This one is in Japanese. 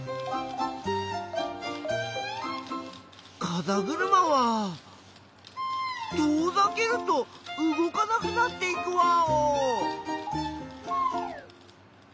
かざぐるまは遠ざけると動かなくなっていくワオ！